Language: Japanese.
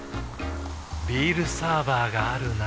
ビールサーバーがある夏。